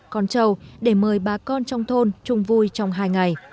con trâu để mời bà con trong thôn chung vui trong hai ngày